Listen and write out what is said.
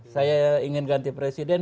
saya ingin ganti presiden